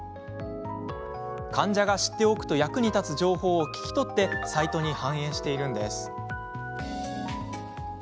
患者が知っておくと役に立つ情報を聞き取ってサイトに反映しているんです。